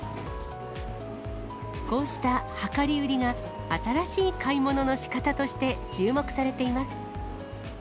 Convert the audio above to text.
こうした量り売りが、新しい買い物のしかたとして注目されています。